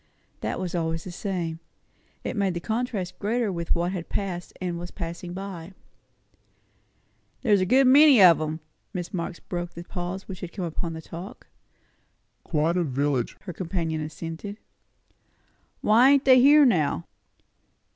That was always the same. It made the contrast greater with what had passed and was passing away. "There was a good many of 'em." Mrs. Marx' voice broke the pause which had come upon the talk. "Quite a village," her companion assented. "Why ain't they here now?"